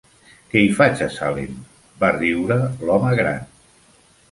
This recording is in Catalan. "Què hi faig, a Salem?", va riure l'home gran.